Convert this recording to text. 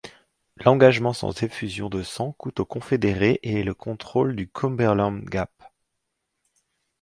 L'engagement sans effusion de sang coûte aux confédérés et le contrôle du Cumberland Gap.